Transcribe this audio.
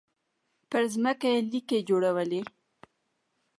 پر ځمکه يې ليکې جوړولې.